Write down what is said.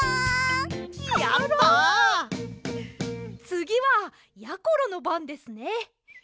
つぎはやころのばんですね。